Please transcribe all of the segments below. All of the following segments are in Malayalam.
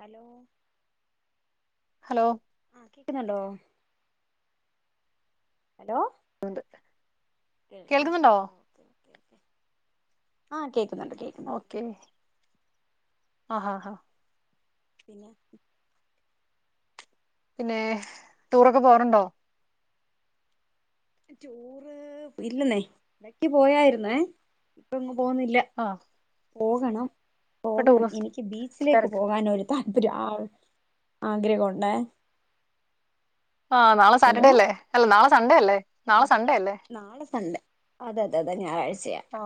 ഹലോ ഹലോ ആ കേക്കുന്നുണ്ടോ ഹലോ കേൾക്കുന്നു കേൾക്കുന്നുണ്ടോ ഓക്കെ ഓക്കെ ഓക്കെ ആ കേക്ക് ഓക്കെ ആ ഹാ ഹ പിന്നെ പിന്നെ ടൂറൊക്കെ പോവാറുണ്ടോ ടൂറ് ഇല്ലന്നേ എടക്ക് പോയാരുന്നേ ഇപ്പെങ്ങും പോവുന്നില്ല ആഹ് പോകണം ഇപ്പൊ പോകണം ടൂറിസ്റ്റ് എനിക്ക് ബീച്ചിലേക്ക് തിരക്ക് പോകാൻ ഒരു താല് പര്യം. ആ ആഗ്രഹവൊണ്ടെ ആ നാളെ സാറ്റർഡേ അല്ലേ അല്ല നാളെ സൺഡേ അല്ലേ ആ നാളെ സൺഡേ അല്ലേ നാളെ സൺഡേ അതെ അതെ അതെ ഞായറാഴ് ആ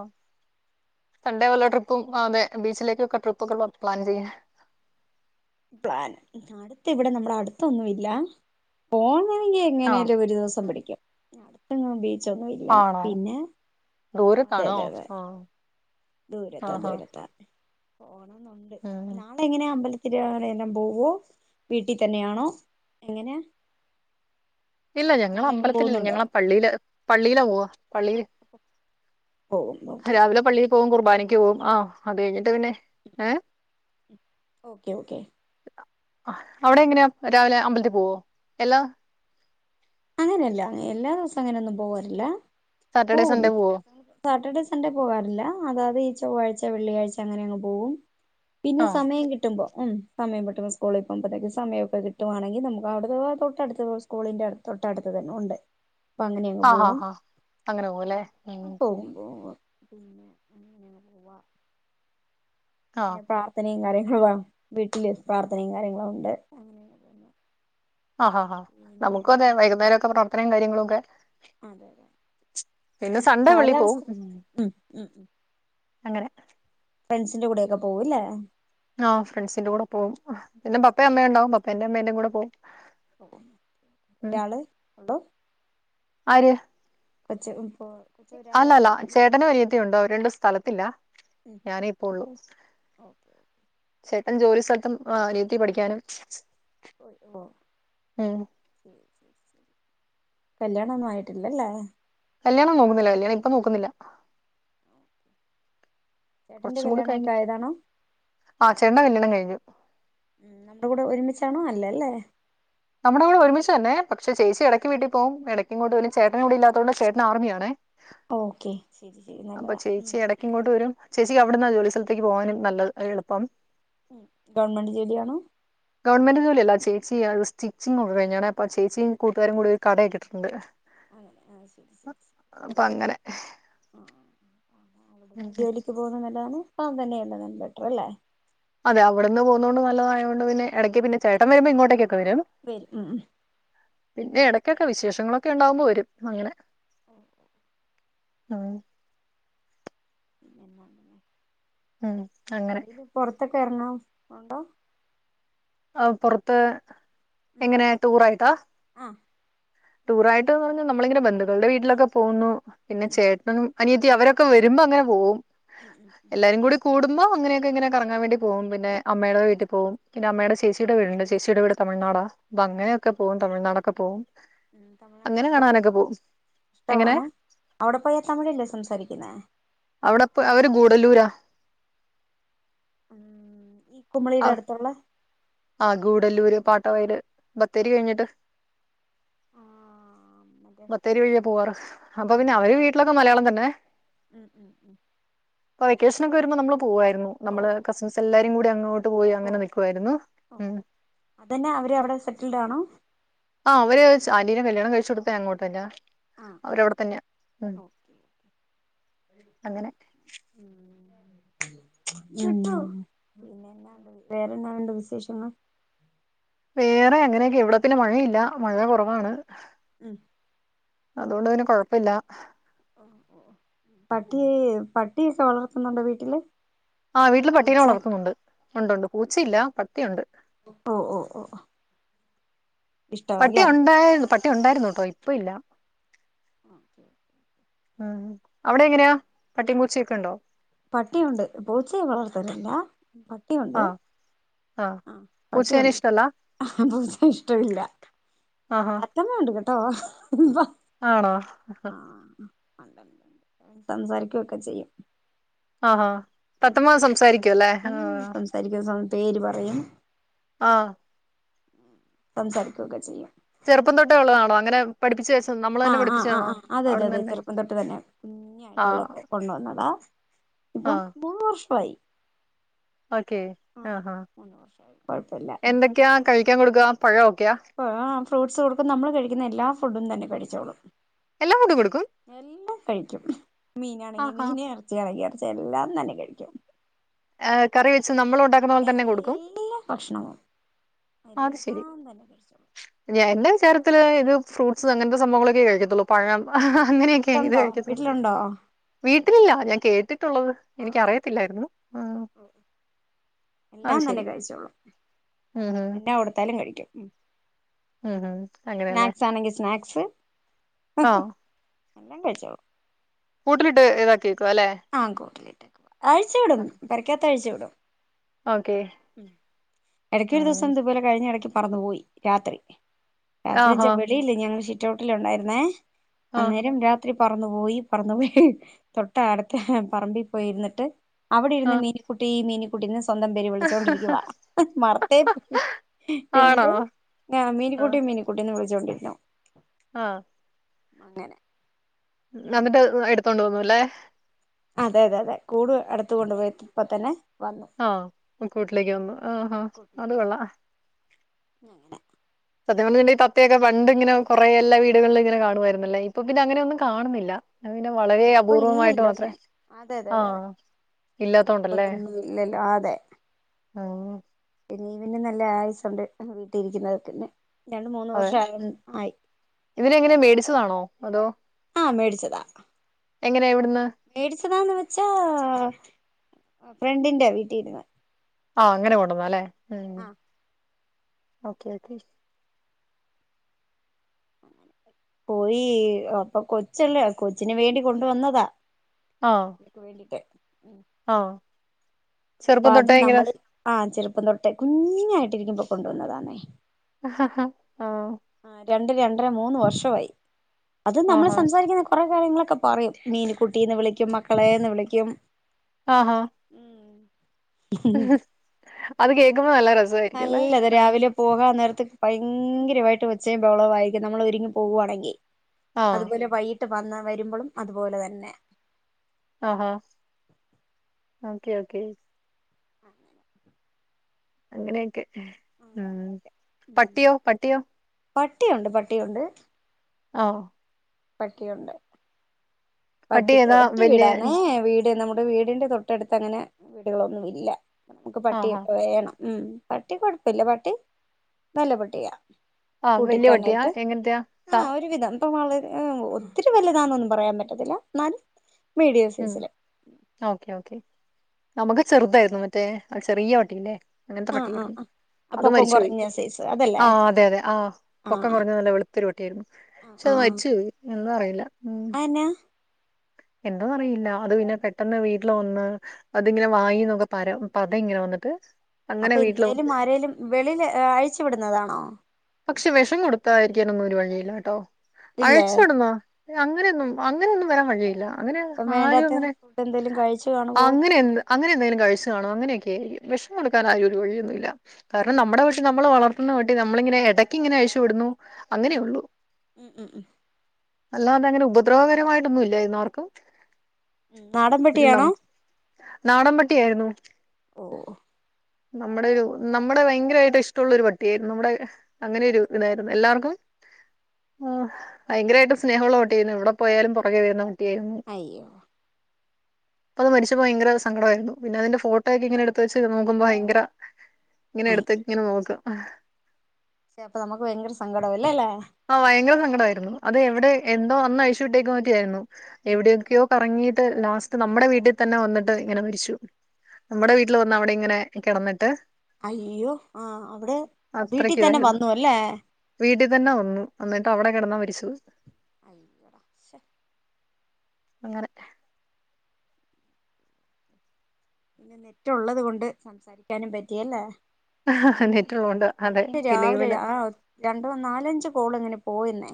സൺ‌ഡേ വല്ല ട്രി പും ആ അതെ ബീച്ചിലേക്കൊക്കെ ട്രിപ്പൊക്കെ പോവാൻ പ്ലാൻ ചെയ്യാ പ്ലാന് അടുത്ത് ഇവിടെ നമ്മടെ അടുത്തൊന്നും ഇല്ല പോം ണെങ്കി എങ്ങനെ ആഹ് ആയാലും ഒരു ദിവസം പിടിക്കും അടുത്തെങ്ങും ബീ ച്ചൊന്നുവില്ല ആണോ പിന്നെ അതെ ദൂരത്താണോ അതെ അതെ ആഹ് ദൂരത്താ ആഹാ ദൂരത്താ പോണംന്നൊണ്ട് ഉം നാളെ എങ്ങനായാ അമ്പലത്തി [unintelligible] പോവോ വീട്ടിൽ തന്നെയാണോ എങ്ങനാ ഇല്ല ഞങ്ങള് അമ്പലത്തിലല്ല ഞങ്ങള് പള്ളിയില് പള്ളിയിലാ പോവാ പള്ളിയില് ആഹ് [unintelligible] രാവിലെ പള്ളിയിൽ പോകും കുർബാനയ്ക്ക് പോവും നാളത്തെ ആ അത് കഴിഞ്ഞിട്ട് പിന്നെ ഏ ഓക്കെ ഓക്കെ അവിടെ എങ്ങനെയാ രാവിലെ അമ്പലത്തി പോവോ എല്ലാ അങ്ങനെയല്ല എല്ലാ ദെവസോം അങ്ങനെയൊന്നും പോവാറില്ല സാറ്റർഡേ പോകും സൺഡേ മിക്കി പോവോ ദിവസങ്ങളിലു സാറ്റർഡേ സൺഡേ പോകാറില്ല അതാത് [unintelligible] ചൊവ്വാഴ്ച വെള്ളിയാഴ്ച അങ്ങനെ അങ്ങ് പോവും പിന്നെ ആഹ് സമയം കിട്ടുമ്പോ ഉം സമയം കിട്ടുമ്പോ സ്കൂളി പോവുമ്പഴത്തേക്കും സമയവൊക്കെ കിട്ടുവാണെങ്കിൽ നമുക്കവിടുന്നു പോവാം തൊട്ടടുത്ത് പോയ് സ്കൂളിന്റെ അടുത്ത് തൊട്ടടുത്ത് തന്നെ ഒണ്ട് അപ്പം അങ്ങനെയങ്ങ് ആഹ് പോകും ആഹ് ആഹ് അങ്ങനെ പോവുല്ലേ ഉം ആ പോകും പോകും പിന്നെ അങ്ങനെയാണ് പോവ ആഹ് പിന്നെ പ്രാർത്ഥനയും കാര്യങ്ങളുവാ വീട്ടില് പ്രാർത്ഥനയും കാര്യങ്ങളും ഒണ്ട് അങ്ങനെ അങ്ങ് പോവുന്നു ആ ഹാ ഹാ നമുക്കും അതെ വൈകുന്നേരൊക്കെ പ്രാർത്ഥനയും കാര്യങ്ങളുവൊക്കെ അതെ അതെ പിന്നെ സൺ‌ഡേ പള്ളി പോവും കാലാവസ്ഥ മം ഉം ഉം ഉം അങ്ങനെ ഫ്രണ്ട്സിന്റെ കൂടെയൊക്കെ പോവു ല്ലേ ആ ഫ്രണ്ട്സിന്റെ കൂടെ പോവും പിന്നെ പപ്പേം അമ്മേം ഒണ്ടാവും പപ്പേന്റെം അമ്മേന്റെം കൂടെ പോവും ഓ ഉം ഒരാള് എന്തോ ആര് കൊച്ച് ഉം അല്ല അല്ല ചേട്ടനും അനിയത്തിം ഉണ്ട് അവരുരണ്ടും സ്ഥലത്തില്ല ഉം ഞാനേ ഇപ്പ ഒള്ളു ഓക്കെ ചേ ട്ടൻ ജോലി സ്ഥലത്തും ആ അനിയത്തി പഠിക്കാനും ഓ [unintelligible] ഉം ശരി കല്ല്യാണൊന്നും ആയിട്ടില്ലല്ലേ കല്ല്യാണം നോകുന്നില്ല കല്ല്യാണം ഇപ്പം നോക്കുന്നില്ല ചേട്ടന്റെ കൊറച്ചും കൂടി കല്യാണൊക്കെ കഴിഞ്ഞിട്ട് ആയതാണോ ആ ചേട്ടന്റെ കല്ല്യാണം കഴിഞ്ഞു ഉം നമ്മുടെ കൂടെ ഒരുമിച്ചാണോ അല്ല ല്ലേ നമ്മുടെ കൂടെ ഒരുമിച്ച് തന്നെ പക്ഷേ ചേച്ചി ഇടയ്ക്ക് വീട്ടിൽ പോവും ഇടയ്ക്ക് ഇങ്ങോട്ട് വരും ചേട്ടൻ ഇവിടില്ലാത്തതുകൊണ്ട് ചേട്ടൻ ആർമിയാണേ ഓക്കെ ശരി ശരി അപ്പൊ നല്ലതാ ഉം ചേച്ചി ഇടയ്ക്ക് ഇങ്ങോട്ട് വരും ചേച്ചിക്ക് അവിടന്ന ജോലി സ്ഥലത്തേക്ക് പോകാനും നല്ലത് എളുപ്പം ഉം ഗവൺമെന്റ് ജോലിയാണോ ചേി അ ഒരു സ്റ്റിച്ചിങ് കൊണ്ട് ഞാനൻപ്പ ചേച്ചിയും കൂട്ടുകാരും ഓക്കെ കൂടി ഒരു കട കൊട്ടിട്ടുണ്ട് അങ്ങനെ ആ ശരി ശരി ശരി അ അപ്പൊ അങ്ങനെ ആ അവിടുന്ന് ജോലിക്ക് പോകുന്നത് നല്ലതാണ് അൻ തന്നെ [unintelligible] ബെറ്റർ അല്ലേ അതെ അവിടുന്ന് പോവുന്നോണ്ട് നല്ലതായോണ്ട് പിന്നെ ഇടക്ക് പിന്നെ ചേട്ടൻ വരുമ്പോ ഇങ്ങോട്ടേക്ക് വരും ഉം പിന്നെ ഇടയ്ക്കൊക്കെ വിശേഷങ്ങളൊക്കെ ഉണ്ടാവുമ്പോ വരും അങ്ങനെ ഓ ഓ ആഹ പിന്നേ [inaudible] ഉം അങ്ങനെ വെളിയില് പൊറത്തൊക്കെ ഇറങ്ങാർ ഉണ്ടോ ആ പുറത്ത് ഉം എങ്ങനെ ടൂർ ആയിട്ടാ ആ ടൂർ ആയിട്ട്ന്ന് പറഞ്ഞാൽ നമ്മളിങ്ങനെ ബന്ധുക്കളുടെ വീട്ടിലൊക്കെ പോകുന്നു പിന്നെ ഉം ചേട്ടനും അനിയത്തി അവരൊക്കെ വരുമ്പോൾ അങ്ങനെ പോകും ഉം ഉം എല്ലാരും കൂടി കൂടു അമ്മ അങ്ങനെൊക്കെ ഇങ്ങനെ കറങ്ങാൻ വേണ്ടി പോവും പിന്നെ ഉം അമ്മയുടെ വീട്ടിൽ പോവും പിന്ന അമ്മയുടെ ചേച്ചിയുടെ വീടുണ്ട് ചേിയുടെ വീട് തമഴ്നാടാ അപ്പ ഉം അങ്ങനെയൊക്കെ പോവും തമിഴനാടൊക്കെ പോവും ഉം തമിഴ്നാട് ഇഷ്ടപ്പെട്ടോ എങ്ങനെ ഇഷ്ടമാണോ അവിടെ പോയാ തമിഴല്ലേ സംസാരിക്കുന്നേ അവിടെപ്പ അവര് ഗൂടല്ലൂരാ ഉം ഈ കുമളീടെ അടുത്തുള്ള ആ ഗൂഡല്ലൂര് പാട്ട വര് ബത്തേരി കഴിഞ്ഞിട്ട് ആ മറ്റേ ബത്തേരി വഴിയ പോവാറ് അപ്പൊ ആ പിന്നെ അവര് വീട്ടിലൊക്കെ മലയാളം തന്നെ ഉം ഉം ഉം അപ്പ വെക്കേഷനൊക്കെ വരുമ്പോ നമ്മള് പോവാരുന്നു ഓ നമ്മള് കസിൻസ് എല്ലാരും കൂടി അങ്ങോട്ട് പോയി അങ്ങനെ നിക്കുവായിരുന്നു ഉം ഓഓ അതന്നെ അവര് അവിടെ സെറ്റിൽഡ് ആണോ ആന്റിനെ കല്യാണം കഴിച്ച കൊടുത്തെ അങ്ങോട്ടഞ ആ അവരവിടെത്തന്നെ ഉ ഉ ഉം [inaudible] പിന്നെ വേറെന്താ ഉണ്ട് വിശേഷമ്ന് വേറെ എങ്ങനെയൊക്കെ ഇവിട പിന്നെ മഴയില്ല മഴ കുറവാണ് ഉം അതുകൊണ്ട് പിന്നെ കൊഴപ്പില്ല പട്ടി പട്ടിയൊക്കെ വളർത്തുന്നുണ്ടോ വീട്ടില് ആഹ് വീട്ടില് പട്ടീനെ പൂച്ച വളർത്തുന്നുണ്ട് ഉണ്ടുണ്ട് പൂച്ചയില്ല പട്ടിയുണ്ട് ഓ ഓ ഓഓ പട്ടി ഉണ്ടായിരുന്നു പട്ടി ഉണ്ടായിരുന്നുട്ടോ ഇപ്പ ഇല്ല ആ ഓക്കെ ഓക്കെ ഉം അവിടെ എങ്ങനെയാ പട്ടിം പൂച്ചയൊക്കെ ഉണ്ടോ പട്ടിയുണ്ട് പൂച്ചയെ വളർത്തലില്ല പട്ടിയുണ്ട് ആ ആ ആഹ പൂച്ചേനെ പട്ടിയുണ്ട് ഇഷ്ടമല്ല പൂച്ചയെ ഇഷ്ടമില്ല ആഹാ തറ്റമ്മ ഉണ്ട് കേട്ടോ ആണോ ഉം സംസാരിക്കുവൊക്കെ ചെയ്യും ആഹ ഉം സംസാരിക്കും പേര് പറയും ആഹ് സംസാരിക്കയൊക്കെ ചെയ്യും ചെറുപ്പം തൊട്ട് ഉള്ളാണോ അങ്ങന പഠിപിച്ച വെച്ച ആ ആ ആ ആ അതെയതെ അതെ ചെറുപ്പം തൊട്ട് തന്നെ ആ കുഞ്ഞായിട്ടുള്ളത് കൊണ്ടുവന്നതാ ആ ഇപ്പം മൂന്ന് വർഷവായി ഓക്കെ ആ ആ മൂന്ന് വർഷമായി കുഴപ്പമില്ല എന്തൊക്കെയാ കഴിക്കാൻ കൊട്ക്കാ പഴൊക്കെയാ ആ ഫ്രൂട്ട്സ് കൊട്ക്കും നമ്മൾ കഴിക്കുന്ന എല്ലാ ഫുഡും തന്നെ കഴിച്ചോളും എല്ലാ ഫൂണ്ടും കൊട്ക്കും എല്ലാം കഴിക്കും മീനാണെങ്കി മീൻ എറച്ചിയാണെങ്കി എറച്ചി എല്ലാം തന്നെ കഴിക്കും ഏ കറി വെച്ച് നമ്മൾ ഉണ്ടാക്കുന്ന പോലെ തന്നെ കൊട്ക്കും എല്ലാ ഭക്ഷണവും അത് ശെരി എല്ലാം തന്നെ കഴിച്ചോളും ഞാ എന്റെ വിചാരത്തില് ഇത് ഫ്രൂട്ട്സ് അങ്ങനത്തെ സംഭവങ്ങളൊക്കെ കഴിക്കത്തുള്ളൂ. പഴം അങ്ങനെയൊക്കെ ഇത് വീട്ടിലുണ്ടോ കഴിക്കത്തുള്ളൂ വീട്ടിലുണ്ടോ വീ ത്തിലില്ല ഞാൻ കേട്ടിട്ടുള്ളത് ആ എനിക്ക് അറിയത്തില്ലായിരുന്നു ഉം എല്ലാം തന്നെ കഴിച്ചോളും ഉം ഹും. എന്നാ കൊട്ത്താലും കഴിക്കും ഉം ഉം സ്നാക്സ് ആണെങ്കി സ്നാക്സ് ആഹ് എല്ലാം കഴിച്ചോളും കൂട്ടിലിട്ട് ഏതാക്കി. ആ കൂട്ടിൽ അഴിച്ചു വിടും. പേരാക്കാത്തഴിച്ച് വിടും. ഓക്കെ. ഉം ഇടയ്ക്കൊ ഒരു ഉം ദിവസം ഇത് പോലെ കഴിഞഇടക്ക പറന്നു പോയി രാത്രി രാത്രി ആഹാ ന്നുവെച്ചാൽ വെളിയിലെ ഞങ്ങൾ സിറ്റ് ഔട്ടിൽ ഉണ്ടായിരുന്നേ ആഹ് അന്നേരം രാത്രി പറന്നു പോയി പറന്നു പോയി തൊട്ടെ അടുത്തെ പറമ്പിൽ പോയി ഇര്ന്നിട്ട് അവിടെ ഇര്ന്ന് ആഹ് മീനുക്കുട്ടി മീനുക്കുട്ടിന്ന് സ്വന്തം പേര് ച്ചോണ്ട് ഇരിക്കുവാ മറത്തെ ആണോ? എന്നിട്ട് ഏ മീനിക്കുട്ടി മീനിക്കുട്ടിന്ന് വിളി ജോലികഴിഞ്ഞോ? ആ അങ്ങനെ നന്നിട്ട് എടുത്തോണ്ട് പോവുന്നു ലെ അതെ അതെ അതെ കൂട് അടുത്ത്. കൊണ്ട് പോയി ഇപ്പ തന്നെ വന്നു ആ കൂട്ടിലേക്ക് വന്നു ആ ഹാ കൂട്ടിലേക്ക് വന്നു അതുകെള്ളാം അങ്ങനെ സത്യം പറഞ്ഞ്ന്ന് ഇണ്ടെങ്കി തത്തയൊക്കെ പണ്ട് ഇങ്ങനെ കൊറെ എല്ലാ വീടുകളിലും ഇങ്ങനെ കാണുമായിരുന്ന് അല്ലേ ഇപ്പൊ പിന്നെ അങ്ങനെയൊന്നും കാണുന്നില്ല അയ് പിന്നെ ആ വളരെ ഇപ്പൊ അപൂർവമായിട്ട് ഇല്ലല്ലോ മാത്രേ ന്നെ അതെ അതെ ആ അതെ അതെ ഇപ്പൊ അതൊന്നും ഇല്ലല്ലോ ആ അതെ അതെന്നെ [unintelligible] ന് നല്ല ആയുസുണ്ട് വീട്ടി ഇരിക്കുന്നവർക്കെന്നെ രണ്ട് മൂന്ന് വർഷ അതെ ആയെന്ന് ആയി ഇതിനെങ്ങനെ മേടിച്ചതാണോ ആ മേടിച്ചതാ എങ്ങനെയ ഇവിടുന്ന് മേടിച്ചതാന്ന് വെച്ചാ ഫ്രണ്ടിന്റെ വീട്ടിന്ന്. ആ അങ്ങനെ കൊണ്ടന്ന അല്ലേ ഉം. ഓക്കെ ഓക്കെ പോയി അപ്പൊ കൊച്ച് ഇള്ളയാ കൊച്ചിന് വേണ്ടി കൊണ്ട് വന്നതാ എനിക്ക് വേണ്ടിട്ട് ആ അപ്പൊ അത് നമ്മള് ആ ചെറുപ്പം തൊട്ടേ കുഞ്ഞായിട്ടിരിക്കുമ്പൊ കൊണ്ടുവന്നതാന്നെ ആ ആ രണ്ട് രണ്ടര മൂന്ന് വർഷവായി അത് നമ്മൾ ആഹാ സംസാരിക്കുന്ന കൊറെ കാര്യങ്ങളൊ ക്കെ പറയും മീനുകുട്ടീന്ന് വിളിക്കും മക്കളെന്ന് വിളിക്കും ആ ആ ഉം അത് കേക്കുമ്പോ നല്ല രസമായിരിക്കുംല്ലേ നല്ലത് ആഹ് രാവിലെ പോകാം നേര്ത്ത് ഭയങ്കരമായിട്ട് ഉച്ചയും ബവളവമായിരിക്കും നമ്മൾ ഒരുങ്ങ പോകുവാണെങ്കിൽ ആഹ് അതുപോലെ വൈ വന്ന് വരുമ്പോളും അതുപോലെ തന്നെ. ആഹഹാ ഓക്കെ ഓക്കെ. [unintelligible] അങ്ങനെയൊക്കെ ഉം പട്ടിയോ പട്ടിയോ? പട്ടിയുണ്ട് പട്ടിയുണ്ട്. ആഹ, പട്ടിയുണ്ട് പട്ടി പട്ടിക്ക് ഏതാ ഒറ്റ വല്യ വീടാന്നേ വീട് നമ്മ നമ്മുടെ വീടിൻ്റെ തൊട്ടടുത്ത് അങ്ങനെ വീടുകളൊന്നും ഇല്ല നമുക്ക് പട്ടി ആഹാ വേണം. ഉം പട്ടി കുഴപ്പെല്ല പട്ടി നല്ല പട്ടിയ. ആഹ് കൂട്ടി വല്യ പട്ടിയാ തന്നൊയിട്ട് എങ്ങനത്തെയാ ആ സ ഒരുവിധം. വര് ഒത്തിരി വലുതാണെന്നും പറയാൻ പറ്റത്തില്ല. എന്നാൽ ഉം ഓക്കെ ഓക്കെ നമുക്ക് ചെറുതായിരുന്നു. മറ്റേ ചെറിയ പട്ടീല്ലേ. അങ്ങനത്തെ ആഹ് ആഹ് പട്ടിയായിരുന്നു. ആഹ് ആ അത് പൊക്കം മരിച്ചുപയി. കുറഞ്ഞ സൈസ് അതല്ലേ ആ അതെ അതെ ആഹ് ആഹ് പൊക്കം ആഹ് കുറഞ്ഞ നല്ല വെളുത്തെരു പട്ടിയായിരുന്നു. ആഹ് പക്ഷെ അത് ആഹ് മരിച്ചു പോയി. എന്താന്ന് അറിയില്ല. ഉം അതെന്നാ എന്തോ അറിയില്ല. അത് പിന്നെ പെട്ടെന്ന് വീട്ടില് വന്ന് അതിങ്ങനെ വായിന്നൊക്കെ പര പത ഇങ്ങനെന്നിട്ട്. വന്നിട്ട് അങ്ങനെ അപ്പൊ വീട്ടില് എന്തേലും ആരേലും വെളിയിൽ അഴിച്ചു വിടുന്നതാണോ? പക്ഷെ വിഷം കൊടുത്തായിരിക്കാനൊന്നും ഒരു വഴിയില്ലാട്ടോ? ഇല്ലേ അഴച്ചിടന്നാ അങ്ങനെയൊന്നും അങ്ങനെയൊന്നും വരാൻ കഴിയില്ല. അങ്ങനെ ഇപ്പം ആരും വേണ്ടാത്ത അങ്ങനെ ഫുഡ് എന്തേലും കഴിച്ചു കാണുവോ അങ്ങനെ എ അങ്ങനെ എന്തെങ്കിലും കഴിച്ചു കാണോ? അങ്ങനെക്കെ ശ വിഷം കൊടുക്കാൻ ആരും ഒരു വഴിയൊന്നുമില്ല. കാരണം ഉം നമ്മുടെ വീട്ടിൽനമ്മള് വളർത്തുന്ന പട്ടി നമ്മളിങ്ങനെ ഇടക്ക ഇങ്ങനെഴിച്ച് വിടുന്നു. ഉം അങ്ങനെയുള്ളൂ ഉം ഉം ഉ അല്ലാതെ അങ്ങനെ ഉപദ്രവകരമായിട്ടൊന്നും ഇല്ലായിരുന്നു ആർക്കും. ഉ ഒരു നാടൻപട്ടിയാണോ? നം- നാടൻ പട്ടിയായിരുന്നു. ഓ ഓ നമ്മുടെ ഒരു നമ്മുടെ ഭയങ്കരായിട്ട് ഇഷ്ടുള്ള ഒരു പട്ടിയായിരുന്നു. നമ്മുടെ അങ്ങനെയൊരു ഇതായിരുന്നു. എല്ലാവർക്കും ആ ഭയങ്കരമായിട്ട് സ്നേഹമുള്ള പട്ടിയായിരുന്നു ഇവിടെ പോയാലും പുറകെ വരുന്ന അയ്യോ, അപ്പോ അത് മരിച്ചയേ ഭയങ്കരങ്കടമായിരുന്നു. പിന്നെ അതിന്റെ ഫോട്ടോയക്കെ എങ്ങനെ എടുത്ത് വച്ച് നോക്കുമ്പോ ഭയങ്കര ഇങ്ങനെ എടുത്ത് ങ്ങനെ നോക്കും. പക്ഷേപ്പൊ നമുക്ക് ഭയങ്കര സങ്കടാവും ല്ലേ ല്ലെ. ആഹ ഭയങ്കര സങ്കടമായിയിരുന്നു. അത് എവിടെ എന്തോ അന്ന് അഴിച്ചു വിട്ടേക്ക പറ്റിയായിരുന്നു. ഉം ഉം എവിടെയൊക്കെയോ കറങ്ങീട്ട് ലാസ്റ്റ് നമ്മുടെ വീട്ടിൽ തന്നെ വന്നിട്ട് ഇങ്ങനെ മരിച്ചു. നമ്മുടെ വീട്ടിൽ വന്ന് അവിടെ ഇങ്ങനെ കിടന്നിട്ട് അയ്യോ ആഹ അവിടെ വീട്ടിൽ തന്നെ വന്നു അല്ലേ? ഇത് തന്നെ വന്നു എന്നിട്ട് അവിടെ കിടന്നാ മരിച്ചു. അയ്യോടാ ക്ഷെ അങ്ങനെ പിറ്റ ഉള്ളത് കൊണ്ട് സംസാരിക്കാനും പറ്റിയല്ലേ നെറ്റുള്ളോണ്ട് അതെ എന്റെ ഇല്ലെങ്കി രാവിലെ പിന്നെ ആ രണ്ടോനാലഞ്ച് കോളങ്ങനെ പോയന്നേ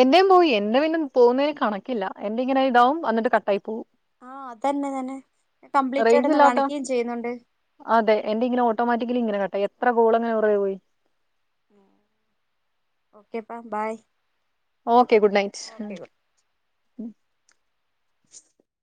എന്റെേയും പോയി. എന്റെ പിന്നെ പോകുന്നതിന് കണക്കില്ല. എന്റെ ഇങ്ങനെ ഇതാവും അന്നിട്ട് കട്ടായി പോകും. ആഹ അതന്നെ തന്നെ, കംപ്ലീറ്റ് ആയിട്ടൊന്ന് റേഞ്ച്ല്ലാത്ത കാണിക്കുകയും ചെയ്യുന്നുണ്ട് അതെ എന്റെ ഇങ്ങനെ ഓട്ടോമാറ്റിക്കലി ഇങ്ങനെ എത്ര കൂളിങ്ങനെ വെറുതേപോയി. ഓക്കെ അപ്പ ബായി. Okay goodnights.